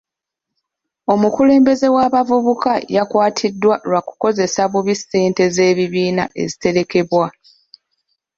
Omukulembeze w'abavubuka yakwatiddwa lwa kukozesa bubi ssente z'ekibiina eziterekebwa.